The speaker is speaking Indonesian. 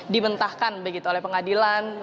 dimentahkan begitu oleh pengadilan